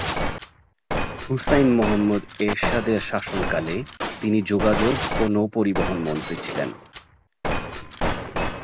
হুসাইন মুহম্মদ এরশাদের শাসনকালে তিনি যোগাযোগ ও নৌ-পরিবহন মন্ত্রী ছিলেন।